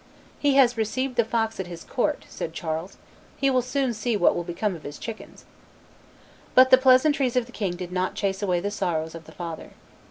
"He has received the fox at his court," said Charles: "he will soon see what will become of his chickens." But the pleasantries of the king did not chase away the sorrows of the father.